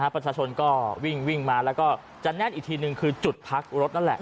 ประชาชนก็วิ่งมาแล้วก็จะแน่นอีกทีนึงคือจุดพักรถนั่นแหละ